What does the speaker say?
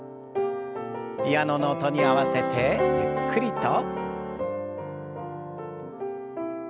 ピアノの音に合わせてゆっくりと。